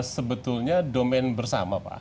sebetulnya domen bersama pak